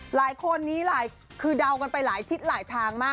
หลายคนนี้หลายคือเดากันไปหลายทิศหลายทางมาก